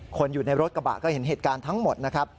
คนอยู่ในรถกระบะก็เห็นเหตุการณ์ทั้งหมดนะครับ